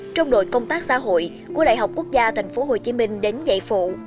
trong đội công tác xã hội của đại học quốc gia tp hcm đến dạy phụ